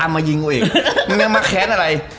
มึงยังมาแค้นอะไร